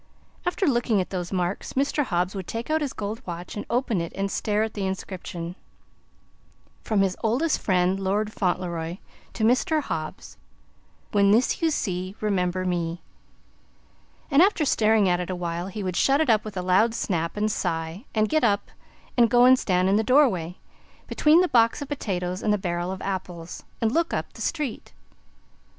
After looking at those marks, Mr. Hobbs would take out his gold watch and open it and stare at the inscription: "From his oldest friend, Lord Fauntleroy, to Mr. Hobbs. When this you see, remember me." And after staring at it awhile, he would shut it up with a loud snap, and sigh and get up and go and stand in the door way between the box of potatoes and the barrel of apples and look up the street.